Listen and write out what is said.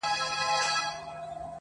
چي زه تورنه ته تورن سې گرانه .